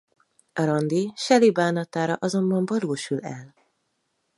A randi Shelley bánatára azonban balul sül el.